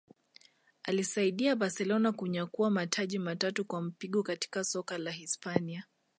aliisaidia Barcelona kunyakua mataji matatu kwa mpigo katika soka la Hispania